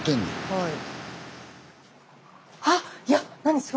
はい。